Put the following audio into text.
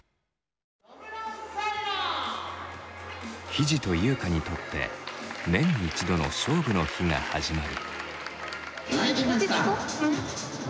ひじとゆうかにとって年に１度の勝負の日が始まる。